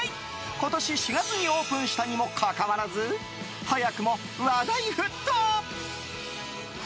今年４月にオープンしたにもかかわらず早くも話題沸騰！